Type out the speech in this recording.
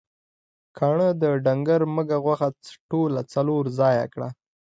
کاڼهٔ د ډنګر مږهٔ غوښه ټوله څلور ځایه کړه.